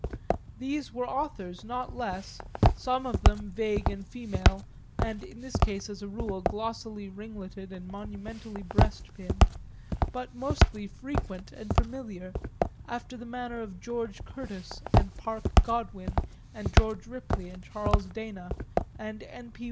There were authors not less, some of them vague and female and in this case, as a rule, glossily ringletted and monumentally breastpinned, but mostly frequent and familiar, after the manner of George Curtis and Parke Godwin and George Ripley and Charles Dana and N. P.